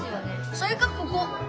それかここ！